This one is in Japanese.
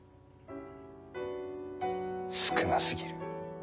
少なすぎる。